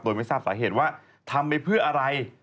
โดยไม่ทราบสาเหตุว่าทำไปเพื่ออะไร